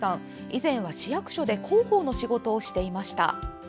以前は市役所で広報の仕事をしていました。